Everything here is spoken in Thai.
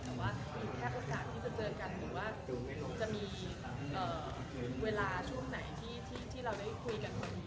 แต่ว่าอีกแค่โอกาสที่จะเจอกันหรือว่าจะมีเวลาช่วงไหนที่เราได้คุยกันพอดี